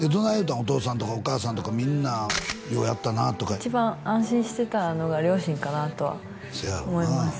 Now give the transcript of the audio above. お父さんとかお母さんとかみんなようやったなとか一番安心してたのが両親かなとはそやろな思います